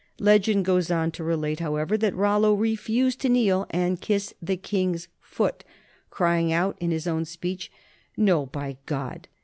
Legend goes on to relate, however, that Rollo refused to kneel and kiss the king's foot, crying out in his own speech, "No, by God!"